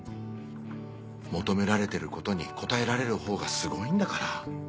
求められてることに応えられる方がすごいんだから。